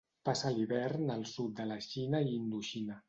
Passa l'hivern al sud de la Xina i Indoxina.